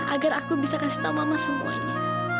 agar aku bisa kasih tahu mama semuanya